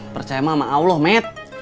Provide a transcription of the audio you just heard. percaya sama allah met